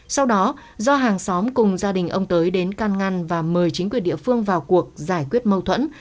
sau đó do hàng xóm cùng gia đình ông tới đến can ngăn và mời chính quyền địa phương vào cuộc giải quyết mâu thuẫn